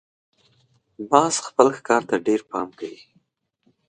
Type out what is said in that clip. باز خپل ښکار ته ډېر پام کوي